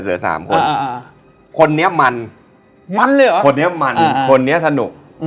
เหลือสามคนอ่าคนนี้มันมันเลยเหรอคนนี้มันคนนี้สนุก